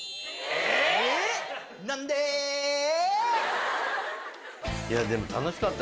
えっ！